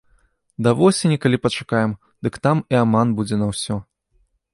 Да восені, калі пачакаем, дык там і аман будзе на ўсё.